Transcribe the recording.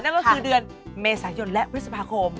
นั่นก็คือเดือนเมษายนและพฤษภาคม